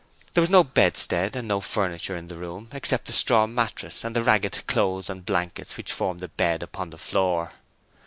There was no bedstead and no furniture in the room except the straw mattress and the ragged clothes and blankets which formed the bed upon the floor.